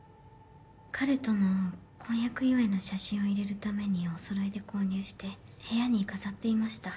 彼との婚約祝いの写真を入れるためにお揃いで購入して部屋に飾っていました